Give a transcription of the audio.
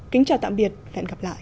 kính chào tạm biệt và hẹn gặp lại